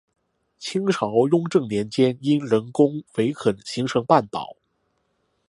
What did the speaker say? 清朝雍正年间因人工围垦形成半岛。